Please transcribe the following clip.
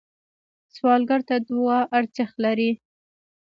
سوالګر ته دعا ارزښت لري